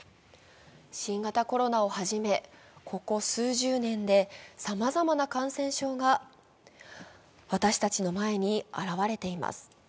新型コロナをはじめ、ここ数十年でさまざまな感染症が私たちの前に現れています。